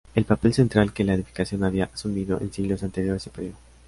El papel central que la edificación había asumido en siglos anteriores se perdió.